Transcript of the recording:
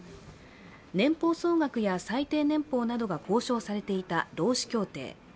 年俸総額や最低年俸などが交渉されていた労使協定。